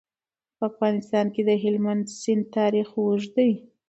په افغانستان کې د هلمند سیند تاریخ اوږد دی.